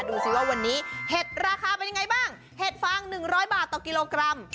ดูสิว่าวันนี้เห็ดราคาเป็นยังไงบ้างเห็ดฟาง๑๐๐บาทต่อกิโลกรัม